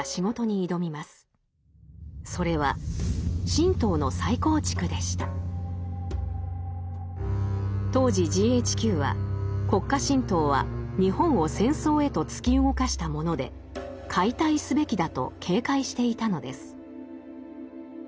それは当時ＧＨＱは国家神道は日本を戦争へと突き動かしたもので解体すべきだと警戒していたのです。